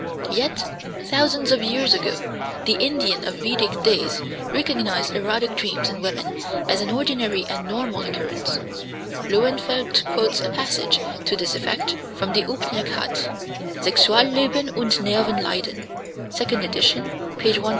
Yet, thousands of years ago, the Indian of Vedic days recognized erotic dreams in women as an ordinary and normal occurrence. (Löwenfeld quotes a passage to this effect from the Oupnek'hat, Sexualleben und Nervenleiden, 2d ed., p. 114.)